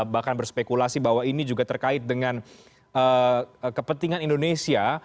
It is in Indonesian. bahkan berspekulasi bahwa ini juga terkait dengan kepentingan indonesia